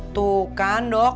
tuh kan dok